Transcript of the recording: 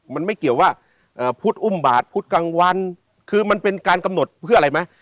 มันไม่เกี่ยวว่าพุทธอุ้มบาทพุธกลางวันคือมันเป็นการกำหนดเพื่ออะไรไหม